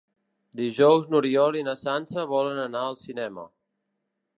Dijous n'Oriol i na Sança volen anar al cinema.